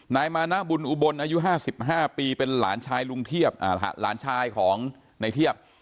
นายมานะบุญอุบลอายุ๕๕ปีเป็นหลานชายลุงเทียบหลานชายของในเทียบ